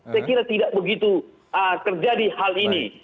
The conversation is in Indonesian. saya kira tidak begitu terjadi hal ini